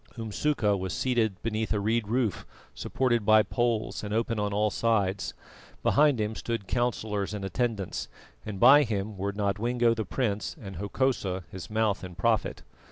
Umsuka was seated beneath a reed roof supported by poles and open on all sides; behind him stood councillors and attendants, and by him were Nodwengo the prince, and Hokosa, his mouth and prophet.